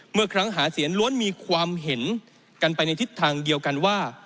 เมื่อครั้งหาเสียงล้วนมีความเห็นกันไปในทิศทางเดียวกันว่า